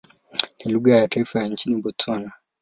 Ni lugha ya taifa nchini Botswana.